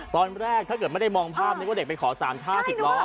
ถ้าเกิดไม่ได้มองภาพนึกว่าเด็กไปขอ๓ท่า๑๐ล้อ